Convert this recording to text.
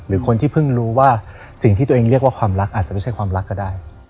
หรือคนที่เพิ่งรู้ว่าสิ่งที่ตัวเองเรียกว่าความรักอาจจะไม่ใช่ความรักก็ได้